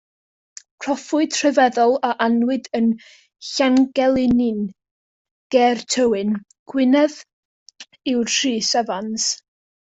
Proffwyd rhyfeddol a anwyd yn Llangelynnin ger Tywyn, Gwynedd yw Rhys Evans.